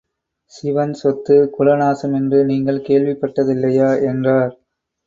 சிவன் சொத்து குல நாசம் என்று நீங்கள் கேள்விப்பட்டதில்லையா? என்றார்.